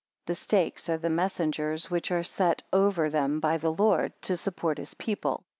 The stakes are the messengers which are set oven them by the Lord, to support his people.